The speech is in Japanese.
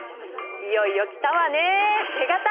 いよいよ来たわね手形！